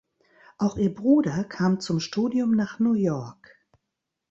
Auch ihr Bruder kam zum Studium nach New York.